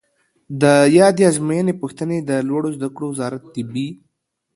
د یادې آزموینې پوښتنې د لوړو زده کړو وزارت طبي